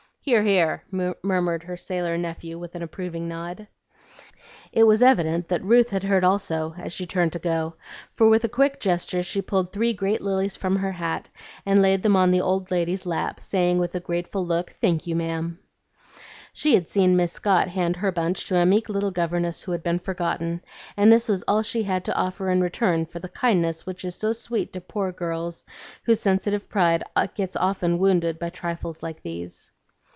"Hear! hear!" murmured her sailor nephew with an approving nod. It was evident that Ruth had heard also, as she turned to go, for with a quick gesture she pulled three great lilies from her hat and laid them on the old lady's lap, saying with a grateful look, "Thank you, ma'am." She had seen Miss Scott hand her bunch to a meek little governess who had been forgotten, and this was all she had to offer in return for the kindness which is so sweet to poor girls whose sensitive pride gets often wounded by trifles like these.